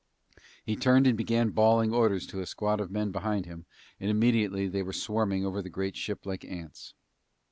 He turned and began bawling orders to a squad of men behind him and immediately they were swarming over the great ship like ants.